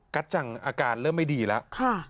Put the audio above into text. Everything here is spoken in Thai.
จังอาการเริ่มไม่ดีแล้ว